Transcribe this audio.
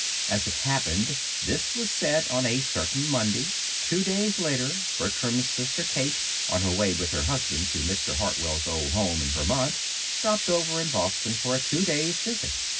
As it happened, this was said on a certain Monday. Two days later Bertram's sister Kate, on her way with her husband to Mr. Hartwell's old home in Vermont, stopped over in Boston for a two days' visit.